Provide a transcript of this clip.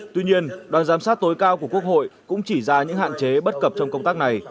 tuy nhiên đoàn giám sát tối cao của quốc hội cũng chỉ ra những hạn chế bất cập trong công tác này